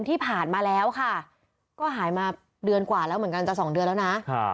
ที่ผ่านมาแล้วค่ะก็หายมาเดือนกว่าแล้วเหมือนกันจะสองเดือนแล้วนะ